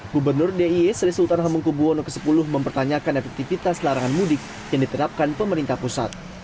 gubernur d i e sri sultan hamengkubwono x mempertanyakan efektivitas larangan mudik yang diterapkan pemerintah pusat